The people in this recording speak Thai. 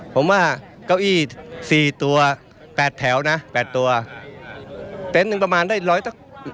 ผมว่าเก้าอี้สี่ตัวแปดแถวนะแปดตัวเต็นต์หนึ่งประมาณได้ร้อยตั้ง